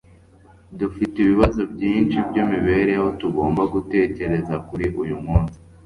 Dufite ibibazo byinshi byimibereho tugomba gutekereza kuri uyumunsi